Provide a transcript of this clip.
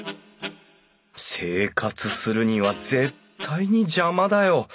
生活するには絶対に邪魔だよ。